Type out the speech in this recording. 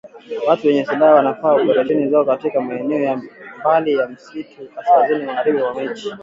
Watu wenye silaha wanafanya operesheni zao katika maeneo ya mbali ya misitu kaskazini magharibi mwa nchi